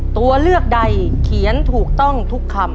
ตัวเลือกใดเขียนถูกต้องทุกคำ